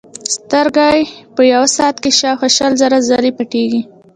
سترګې په یوه ساعت کې شاوخوا شل زره ځلې پټېږي.